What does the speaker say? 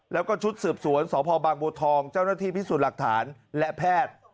แล้วก็ชุดสืบสวนสพบางบัวทองเจ้าหน้าที่พิสูจน์หลักฐานและแพทย์